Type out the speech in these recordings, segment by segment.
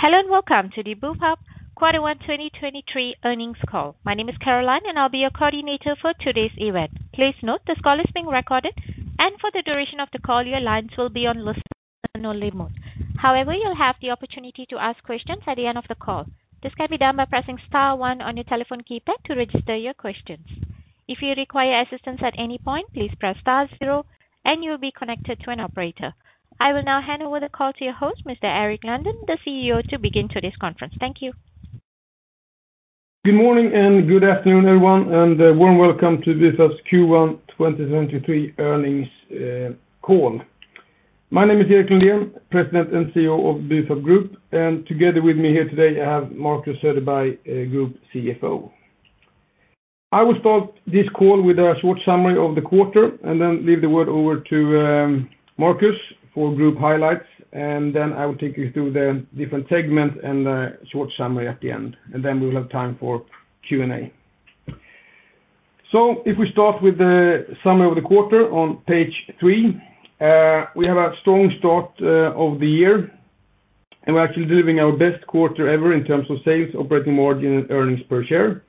Hello and welcome to the Bufab Quarter One 2023 earnings call. My name is Caroline, and I'll be your coordinator for today's event. Please note this call is being recorded, and for the duration of the call, your lines will be on listen-only mode. However, you'll have the opportunity to ask questions at the end of the call. This can be done by pressing star one on your telephone keypad to register your questions. If you require assistance at any point, please press star zero, and you'll be connected to an operator. I will now hand over the call to your host, Mr. Erik Lundén, the CEO, to begin today's conference. Thank you. Good morning and good afternoon, everyone, warm welcome to this us Q1 2023 earnings call. My name is Erik Lundén, President and CEO of the Bufab Group. Together with me here today, I have Marcus Söderberg, Group CFO. I will start this call with a short summary of the quarter. Then I will leave the word over to Marcus for group highlights. Then I will take you through the different segments and a short summary at the end. Then we'll have time for Q&A. If we start with the summary of the quarter on page three, we have a strong start of the year. We're actually delivering our best quarter ever in terms of sales, operating margin, and earnings per share.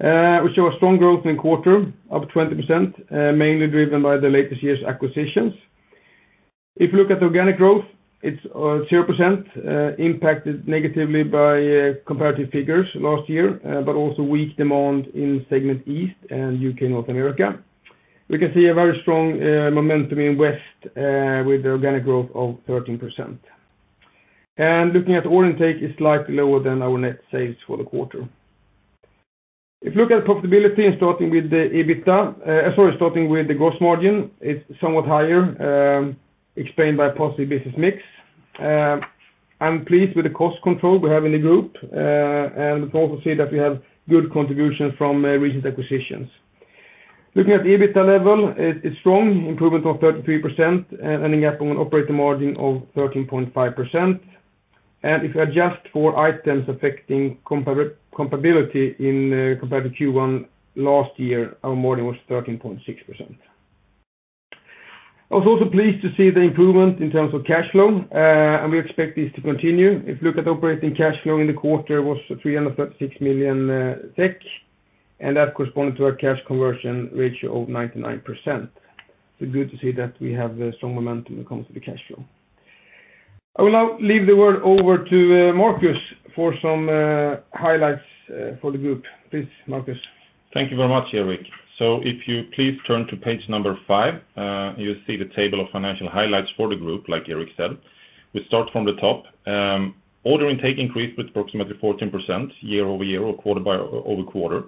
We show a strong growth in quarter of 20%, mainly driven by the latest year's acquisitions. If you look at organic growth, it's 0%, impacted negatively by comparative figures last year, but also weak demand in Segment East and U.K. and North America. We can see a very strong momentum in West, with the organic growth of 13%. Looking at order intake is slightly lower than our net sales for the quarter. If you look at profitability and starting with the EBITDA, sorry, starting with the gross margin, it's somewhat higher, explained by positive business mix. I'm pleased with the cost control we have in the group, and also see that we have good contributions from recent acquisitions. Looking at the EBITDA level, it's strong, improvement of 33%, ending up on operating margin of 13.5%. If you adjust for items affecting comparability in comparative Q1 last year, our margin was 13.6%. I was also pleased to see the improvement in terms of cash flow, and we expect this to continue. If you look at operating cash flow in the quarter was 336 million SEK, and that corresponded to a cash conversion ratio of 99%. Good to see that we have a strong momentum when it comes to the cash flow. I will now leave the word over to Marcus for some highlights for the group. Please, Marcus. Thank you very much, Erik. If you please turn to page number five, you'll see the table of financial highlights for the Group, like Erik said. We start from the top. Order intake increased with approximately 14% year-over-year or quarter-over-quarter,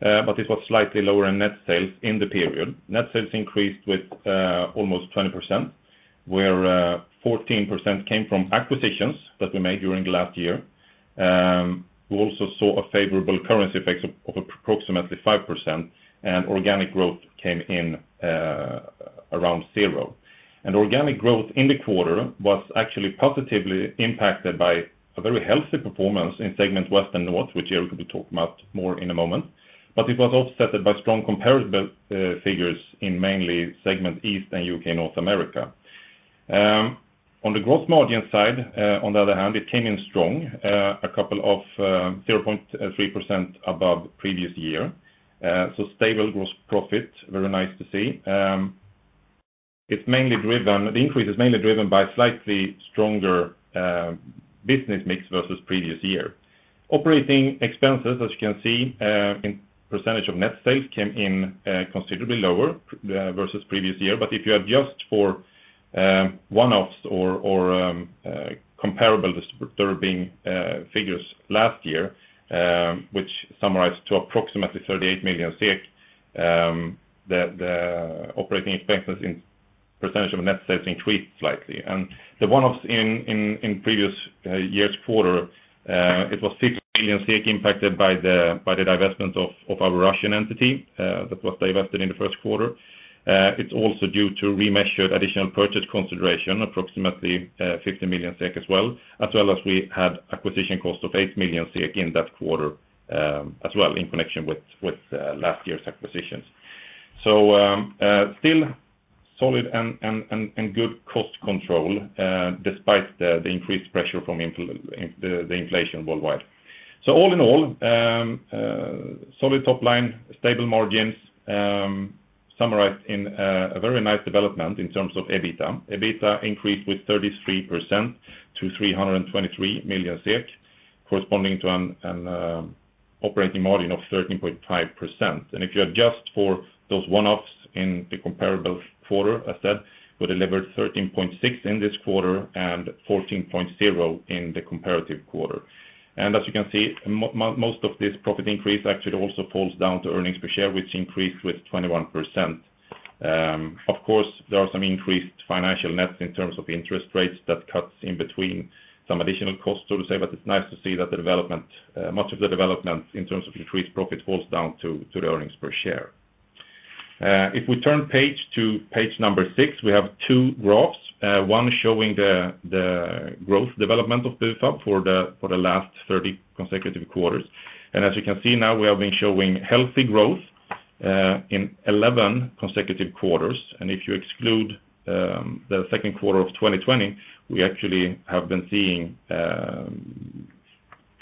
but it was slightly lower in net sales in the period. Net sales increased with almost 20%, where 14% came from acquisitions that we made during last year. We also saw a favorable currency effects of approximately 5% and organic growth came in around 0. Organic growth in the quarter was actually positively impacted by a very healthy performance in Segment West and North, which Erik will be talking about more in a moment. It was offsetted by strong comparable figures in mainly Segment East and U.K. and North America. On the gross margin side, on the other hand, it came in strong, a couple of, 0.3% above previous year. Stable gross profit, very nice to see. The increase is mainly driven by slightly stronger, business mix versus previous year. Operating expenses, as you can see, in percentage of net sales, came in, considerably lower, versus previous year. If you adjust for, one-offs or, comparable disturbing, figures last year, which summarized to approximately 38 million SEK, the operating expenses in percentage of net sales increased slightly. The one-offs in previous year's quarter, it was 6 million impacted by the divestment of our Russian entity, that was divested in the first quarter. It's also due to remeasured additional purchase consideration, approximately 50 million SEK as well, as well as we had acquisition costs of 8 million SEK in that quarter, as well in connection with last year's acquisitions. Still solid and good cost control despite the increased pressure from the inflation worldwide. All in all, solid top line, stable margins, summarized in a very nice development in terms of EBITDA. EBITDA increased with 33% to 323 million SEK, corresponding to an operating margin of 13.5%. If you adjust for those one-offs in the comparable quarter, as said, we delivered 13.6% in this quarter and 14.0% in the comparative quarter. As you can see, most of this profit increase actually also falls down to earnings per share, which increased with 21%. Of course, there are some increased financial nets in terms of interest rates that cuts in between some additional costs to say, but it's nice to see that the development, much of the development in terms of increased profit falls down to the earnings per share. If we turn page to page number six, we have two graphs, one showing the growth development of Bufab for the last 30 consecutive quarters. As you can see now, we have been showing healthy growth in 11 consecutive quarters, and if you exclude the second quarter of 2020, we actually have been seeing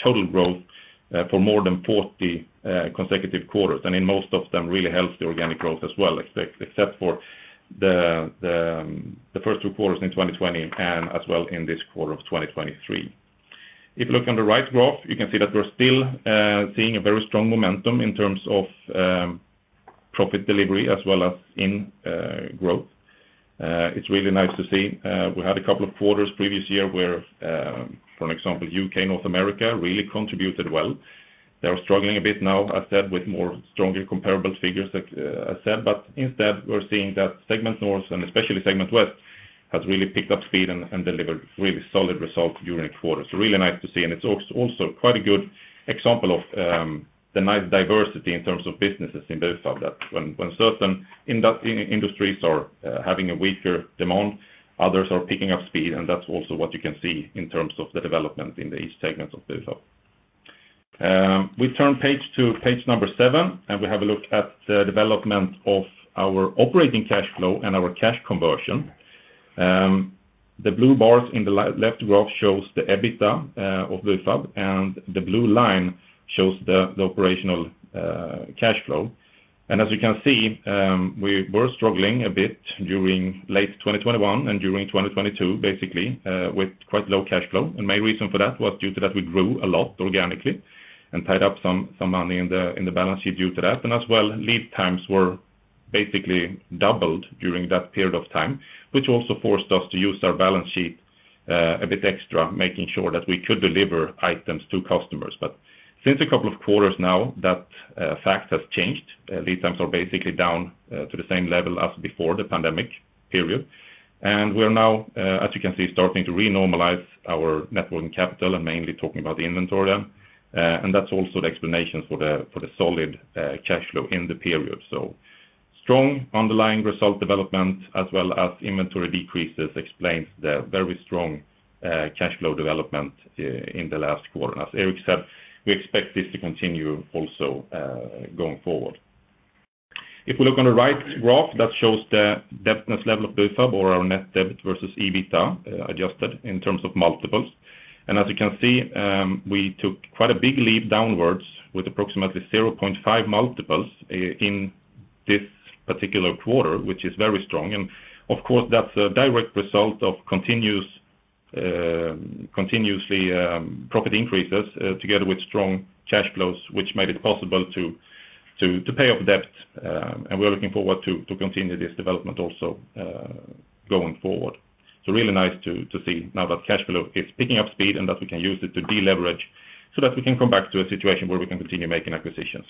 total growth for more than 40 consecutive quarters. In most of them really helps the organic growth as well, except for the first two quarters in 2020 and as well in this quarter of 2023. If you look on the right graph, you can see that we're still seeing a very strong momentum in terms of profit delivery as well as in growth. It's really nice to see. We had a couple of quarters previous year where for an example, U.K., North America really contributed well. They are struggling a bit now, as said, with more stronger comparable figures like I said, but instead, we're seeing that Segment North and especially Segment West has really picked up speed and delivered really solid results during the quarter. It's really nice to see. It's also quite a good example of the nice diversity in terms of businesses in Bufab that when certain industries are having a weaker demand, others are picking up speed, and that's also what you can see in terms of the development in the each segments of Bufab. We turn page to page number seven, and we have a look at the development of our operating cash flow and our cash conversion. The blue bars in the left graph shows the EBITDA of Bufab, and the blue line shows the operational cash flow. As you can see, we were struggling a bit during late 2021 and during 2022, basically, with quite low cash flow. Main reason for that was due to that we grew a lot organically and tied up some money in the balance sheet due to that. As well, lead times were basically doubled during that period of time, which also forced us to use our balance sheet a bit extra, making sure that we could deliver items to customers. Since a couple of quarters now, that fact has changed. Lead times are basically down to the same level as before the pandemic period. We are now, as you can see, starting to re-normalize our net working capital and mainly talking about the inventory. That's also the explanation for the solid cash flow in the period. Strong underlying result development as well as inventory decreases explains the very strong cash flow development in the last quarter. As Eric said, we expect this to continue also going forward. If we look on the right graph, that shows the debtness level of Bufab or our net debt versus EBITA adjusted in terms of multiples. As you can see, we took quite a big leap downwards with approximately 0.5 multiples in this particular quarter, which is very strong. Of course, that's a direct result of continues continuously profit increases together with strong cash flows, which made it possible to pay off debt. We're looking forward to continue this development also going forward. Really nice to see now that cash flow is picking up speed and that we can use it to deleverage so that we can come back to a situation where we can continue making acquisitions.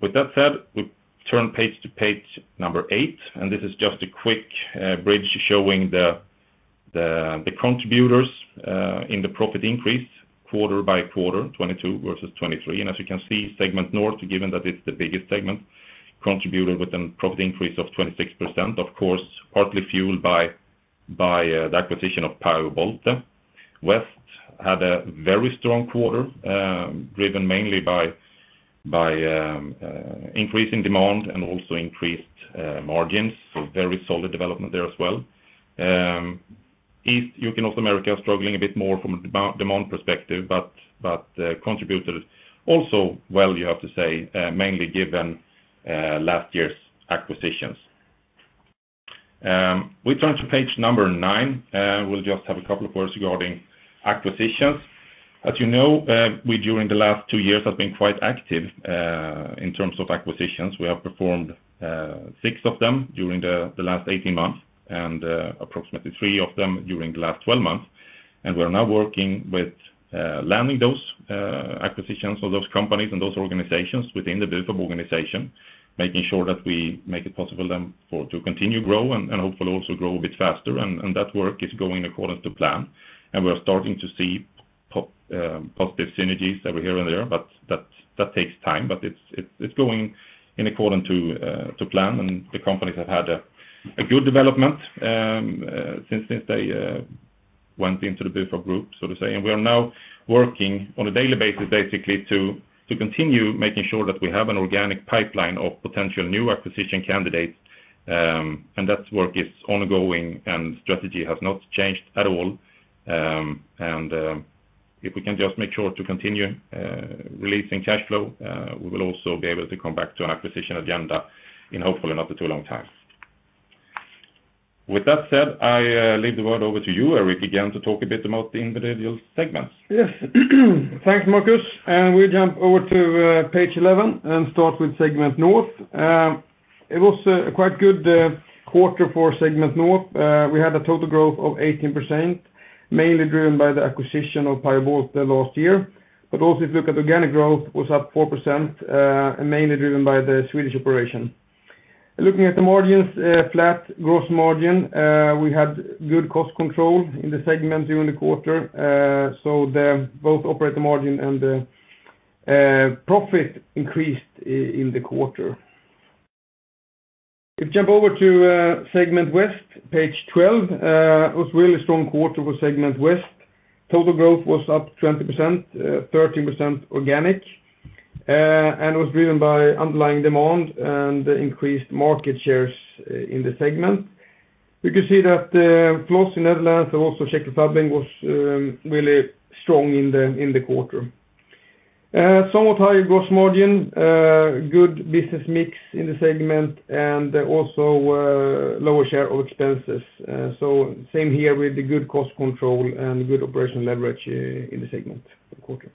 With that said, we turn page to page number eight, and this is just a quick bridge showing the contributors in the profit increase quarter by quarter, 2022 versus 2023. As you can see, Segment North, given that it's the biggest segment, contributed with an profit increase of 26%, of course, partly fueled by the acquisition of Pajo-Bolte. West had a very strong quarter, driven mainly by increasing demand and also increased margins. Very solid development there as well. East, U.K., North America, struggling a bit more from a demand perspective, contributed also well, you have to say, mainly given last year's acquisitions. We turn to page number nine. We'll just have a couple of words regarding acquisitions. As you know, we, during the last two years, have been quite active in terms of acquisitions. We have performed six of them during the last 18 months and approximately three of them during the last 12 months. We're now working with landing those acquisitions or those companies and those organizations within the Bufab organization, making sure that we make it possible then for to continue grow and hopefully also grow a bit faster. That work is going according to plan. We're starting to see positive synergies over here and there, but that takes time, but it's going in according to plan. The companies have had a good development since they went into the Bufab Group, so to say. We are now working on a daily basis basically to continue making sure that we have an organic pipeline of potential new acquisition candidates. That work is ongoing, and strategy has not changed at all. If we can just make sure to continue releasing cash flow, we will also be able to come back to an acquisition agenda in hopefully not too long time. With that said, I leave the word over to you, Erik, again, to talk a bit about the individual segments. Yes. Thanks, Marcus. We jump over to page 11 and start with Segment North. It was a quite good quarter for Segment North. We had a total growth of 18%, mainly driven by the acquisition of Pajo-Bolte last year. Also, if you look at organic growth, was up 4%, and mainly driven by the Swedish operation. Looking at the margins, flat gross margin, we had good cost control in the segment during the quarter. The both operating margin and the profit increased in the quarter. If jump over to Segment West, page 12. It was really strong quarter for Segment West. Total growth was up 20%, 13% organic, and was driven by underlying demand and increased market shares in the segment. You can see that Flos in Netherlands and also Czech Republic was really strong in the quarter. Somewhat higher gross margin, good business mix in the segment and also lower share of expenses. Same here with the good cost control and good operational leverage in the segment quarter.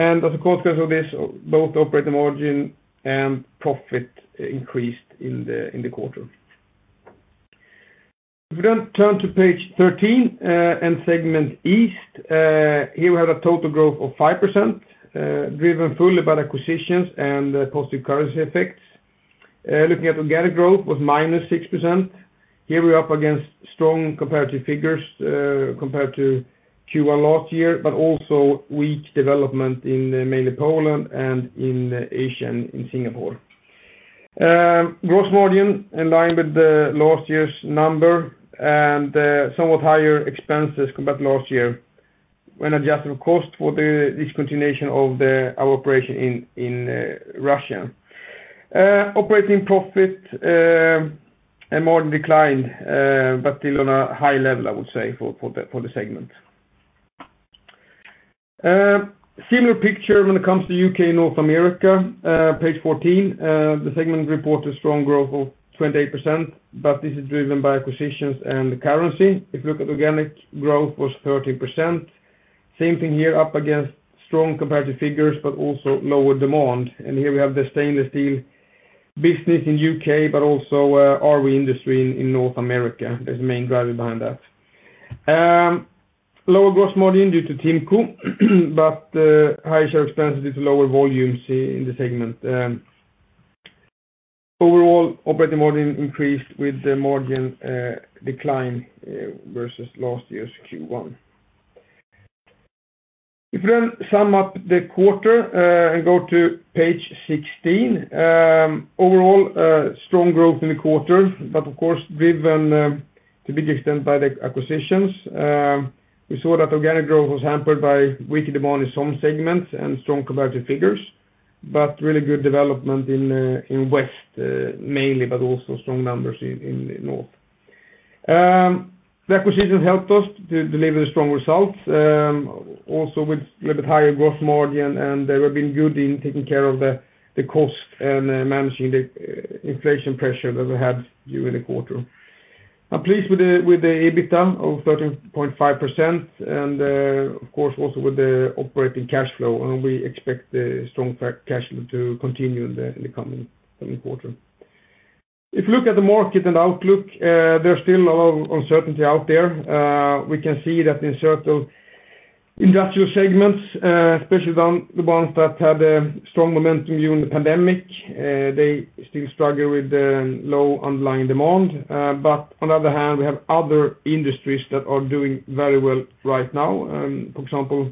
As a consequence of this, both operating margin and profit increased in the quarter. If we turn to page 13 and Segment East, here we have a total growth of 5%, driven fully by the acquisitions and positive currency effects. Looking at organic growth was -6%. Here we're up against strong comparative figures, compared to Q1 last year, but also weak development in mainly Poland and in Asia and in Singapore. Gross margin in line with the last year's number and, somewhat higher expenses compared to last year when adjusted of course for the discontinuation of our operation in Russia. Operating profit and margin declined, but still on a high level, I would say for the segment. Similar picture when it comes to U.K. and North America, page 14. The segment reported strong growth of 28%, this is driven by acquisitions and the currency. If you look at organic growth was 13%. Same thing here, up against strong comparative figures, also lower demand. Here we have the stainless steel business in U.K., but also RV industry in North America is the main driver behind that. Lower gross margin due to TIMCO, but higher share of expense due to lower volumes in the Segment. Overall operating margin increased with the margin decline versus last year's Q1. If we then sum up the quarter and go to page 16. Overall, a strong growth in the quarter, of course driven to a big extent by the acquisitions. We saw that organic growth was hampered by weaker demand in some segments and strong comparative figures, really good development in Segment West mainly, also strong numbers in Segment North. The acquisition helped us to deliver the strong results also with a little bit higher gross margin, they have been good in taking care of the cost and managing the inflation pressure that we had during the quarter. I'm pleased with the EBITDA of 13.5% and, of course, also with the operating cash flow, and we expect the strong cash flow to continue in the coming quarter. If you look at the market and outlook, there's still a lot of uncertainty out there. We can see that in certain industrial segments, especially down the ones that had a strong momentum during the pandemic, they still struggle with the low underlying demand. On the other hand, we have other industries that are doing very well right now, for example,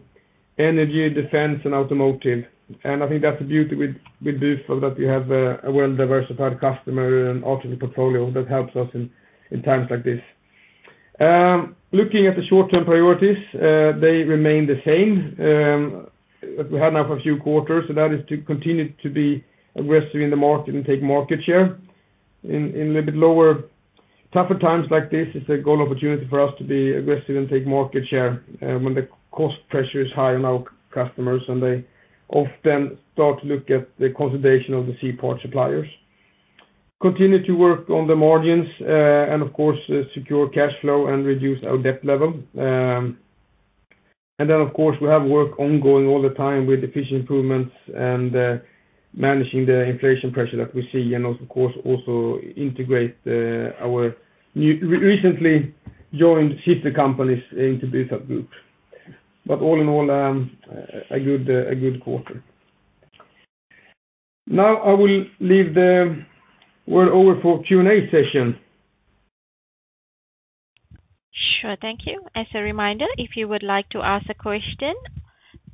energy, defense and automotive. I think that's the beauty with Bufab that you have a well-diversified customer and ultimate portfolio that helps us in times like this. Looking at the short-term priorities, they remain the same as we had now for a few quarters, to continue to be aggressive in the market and take market share. In a little bit lower, tougher times like this, it's a good opportunity for us to be aggressive and take market share when the cost pressure is high on our customers and they often start to look at the consolidation of the C-parts suppliers. Continue to work on the margins, of course, secure cash flow and reduce our debt level. Of course, we have work ongoing all the time with efficient improvements and managing the inflation pressure that we see and of course also integrate our recently joined sister companies into Bufab Group. All in all, a good quarter. I will leave the word over for Q&A session. Sure. Thank you. As a reminder, if you would like to ask a question,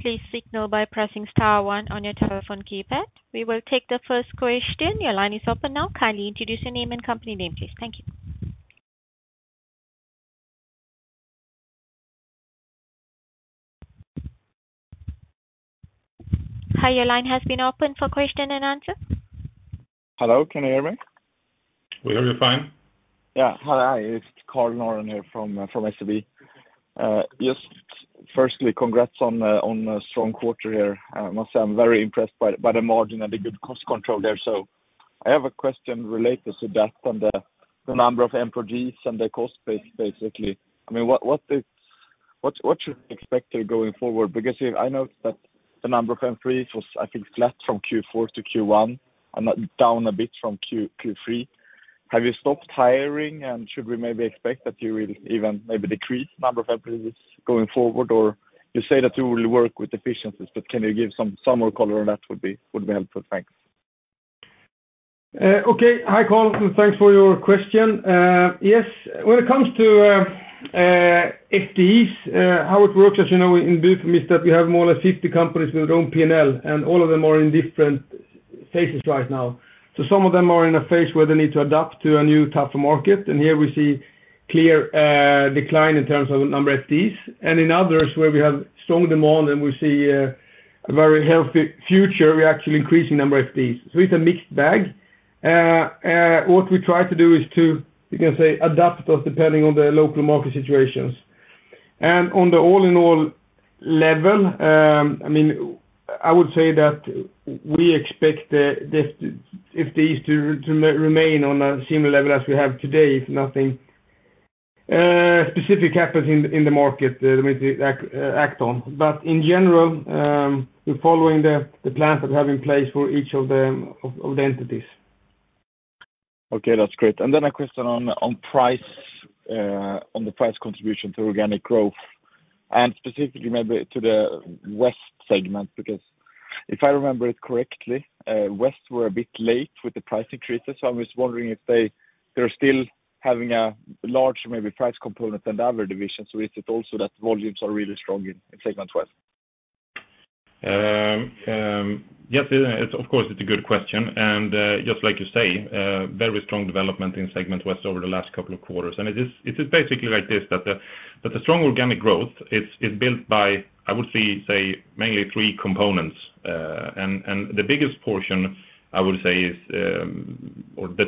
please signal by pressing star one on your telephone keypad. We will take the first question. Your line is open now. Kindly introduce your name and company name, please. Thank you. Hi, your line has been opened for question and answer. Hello, can you hear me? We hear you fine. Yeah. Hi, it's Karl Norén here from SEB. Just firstly, congrats on a strong quarter here. I must say I'm very impressed by the margin and the good cost control there. I have a question related to that and the number of employees and the cost base, basically. I mean, what should we expect here going forward? Because here I know that the number of employees was, I think, flat from Q4 to Q1 and down a bit from Q3. Have you stopped hiring? Should we maybe expect that you will even decrease number of employees going forward? You say that you will work with efficiencies, but can you give some more color on that would be, would be helpful. Thanks. Okay. Hi, Karl Norén, thanks for your question. Yes. When it comes to FTEs, how it works, as you know, in Bufab is that we have more or less 50 companies with their own P&L. All of them are in different phases right now. Some of them are in a phase where they need to adapt to a new type of market. Here we see clear decline in terms of number FTEs. In others, where we have strong demand and we see a very healthy future, we're actually increasing number of FTEs. It's a mixed bag. What we try to do is to, you can say, adapt us depending on the local market situations. On the all-in-all level, I mean, I would say that we expect the FTEs to remain on a similar level as we have today, if nothing specific happens in the market that we need to act on. In general, we're following the plans that we have in place for each of them, of the entities. Okay, that's great. A question on price, on the price contribution to organic growth, and specifically maybe to the Segment West. If I remember it correctly, Segment West were a bit late with the price increases, so I was wondering if they're still having a large maybe price component than the other divisions. Is it also that volumes are really strong in Segment West? Yes, it's, of course, it's a good question. Just like you say, very strong development in Segment West over the last couple of quarters. It is basically like this, that the strong organic growth is built by, I would say, mainly three components. The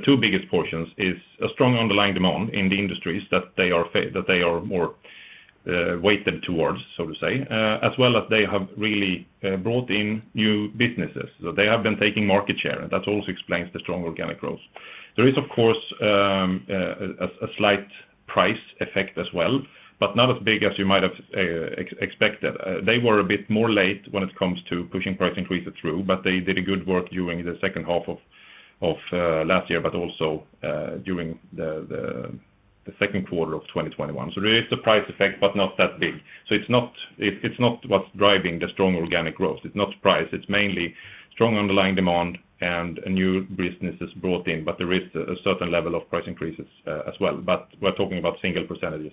two biggest portions is a strong underlying demand in the industries that they are that they are more weighted towards, so to say. As well as they have really brought in new businesses. So they have been taking market share, and that also explains the strong organic growth. There is, of course, a slight price effect as well, but not as big as you might have expected. They were a bit more late when it comes to pushing price increases through, but they did a good work during the second half of last year, but also during the second quarter of 2021. There is the price effect, but not that big. It's not, it's not what's driving the strong organic growth. It's not price. It's mainly strong underlying demand and new businesses brought in, but there is a certain level of price increases as well. We're talking about single percentage.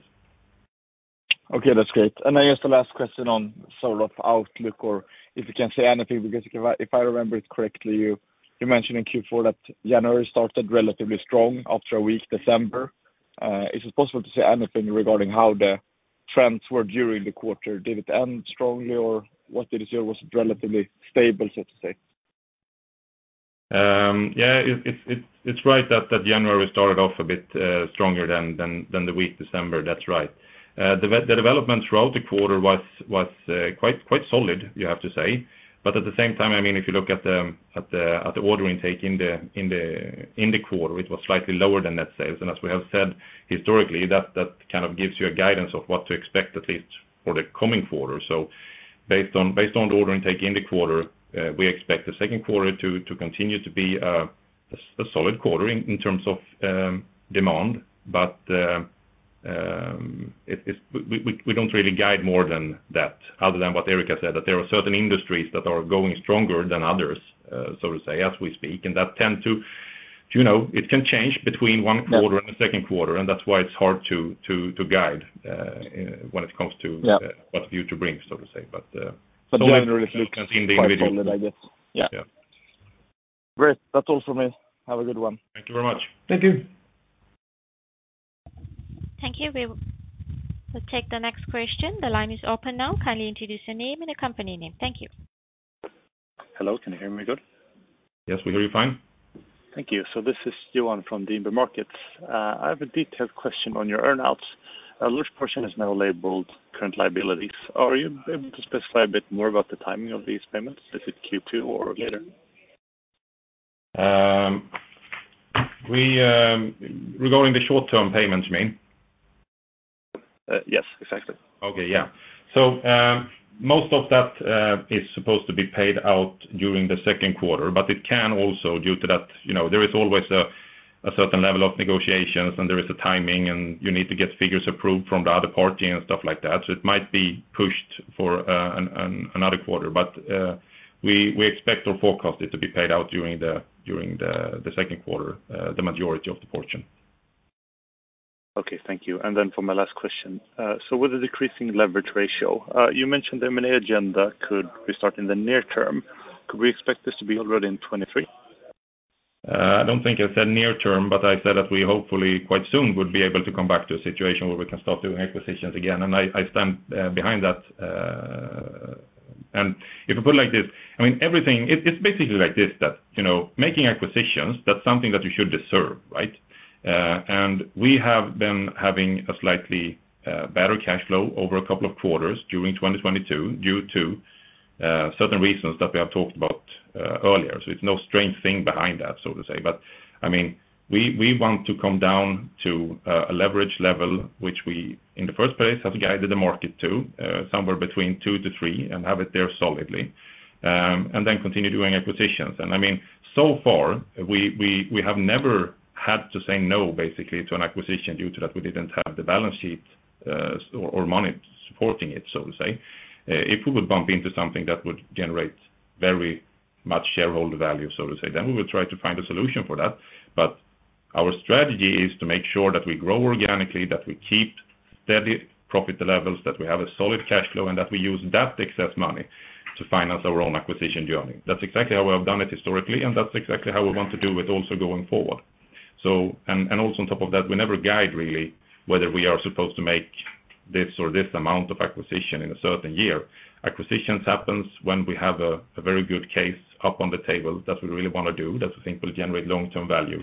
Okay, that's great. I guess the last question on sort of outlook or if you can say anything, because if I remember it correctly, you mentioned in Q4 that January started relatively strong after a weak December. Is it possible to say anything regarding how the trends were during the quarter? Did it end strongly, or what did you say? Was it relatively stable, so to say? Yeah, it's right that January started off a bit stronger than the weak December. That's right. The development throughout the quarter was quite solid, you have to say. At the same time, I mean, if you look at the order intake in the quarter, it was slightly lower than net sales. As we have said historically, that kind of gives you a guidance of what to expect at least for the coming quarter. Based on the order intake in the quarter, we expect the second quarter to continue to be a solid quarter in terms of demand. We don't really guide more than that, other than what Erik said, that there are certain industries that are going stronger than others, so to say, as we speak. That tend to, you know, it can change between one quarter. Yeah. The second quarter, and that's why it's hard to guide. Yeah. when it comes to what the future brings, so to say. Really keep quite solid, I guess. Yeah. Great. That's all from me. Have a good one. Thank you very much. Thank you. Thank you. We will take the next question. The line is open now. Kindly introduce your name and your company name. Thank you. Hello. Can you hear me good? Yes, we hear you fine. Thank you. This is Johan from DNB Markets. I have a detailed question on your earn-outs. A large portion is now labeled current liabilities. Are you able to specify a bit more about the timing of these payments? Is it Q2 or later? Regarding the short-term payments, you mean? yes, exactly. Okay, yeah. Most of that is supposed to be paid out during the second quarter, but it can also, due to that, you know, there is always a certain level of negotiations and there is a timing and you need to get figures approved from the other party and stuff like that. It might be pushed for another quarter. We expect or forecast it to be paid out during the second quarter, the majority of the portion. Okay, thank you. For my last question. With the decreasing leverage ratio, you mentioned the M&A agenda could restart in the near term. Could we expect this to be already in 2023? I don't think I said near term, but I said that we hopefully quite soon would be able to come back to a situation where we can start doing acquisitions again. I stand behind that. If you put it like this, I mean, everything. It's basically like this, that, you know, making acquisitions, that's something that you should deserve, right? We have been having a slightly better cash flow over a couple of quarters during 2022 due to certain reasons that we have talked about earlier. It's no strange thing behind that, so to say. I mean, we want to come down to a leverage level which we in the first place have guided the market to somewhere between two to three and have it there solidly, and then continue doing acquisitions. I mean, so far we have never had to say no basically to an acquisition due to that we didn't have the balance sheet or money supporting it, so to say. If we would bump into something that would generate very much shareholder value, so to say, then we would try to find a solution for that. Our strategy is to make sure that we grow organically, that we keep steady profit levels, that we have a solid cash flow, and that we use that excess money to finance our own acquisition journey. That's exactly how we have done it historically, and that's exactly how we want to do it also going forward. Also on top of that, we never guide really whether we are supposed to make this or this amount of acquisition in a certain year. Acquisitions happens when we have a very good case up on the table that we really want to do, that we think will generate long-term value,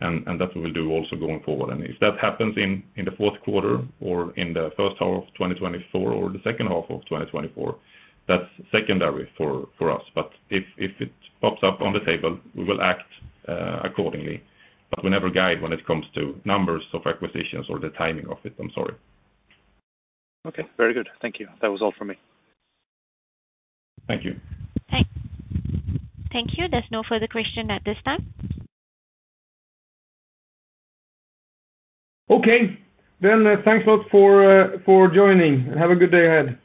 and that we will do also going forward. If that happens in the fourth quarter or in the first half of 2024 or the second half of 2024, that's secondary for us. If it pops up on the table, we will act accordingly. We never guide when it comes to numbers of acquisitions or the timing of it. I'm sorry. Okay, very good. Thank you. That was all for me. Thank you. Thank you. There's no further question at this time. Okay. thanks a lot for joining, and have a good day ahead.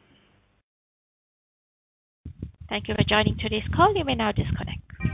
Thank you for joining today's call. You may now disconnect.